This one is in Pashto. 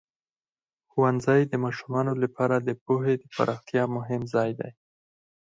ښوونځی د ماشومانو لپاره د پوهې د پراختیا مهم ځای دی.